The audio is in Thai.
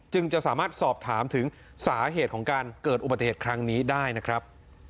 จะสามารถสอบถามถึงสาเหตุของการเกิดอุบัติเหตุครั้งนี้ได้นะครับ